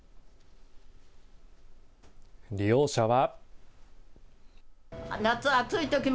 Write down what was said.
利用者は。